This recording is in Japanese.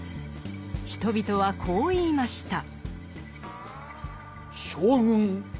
人々はこう言いました。